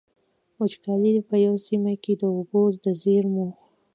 وچکالي په يوې سيمې کې د اوبو د زېرمو.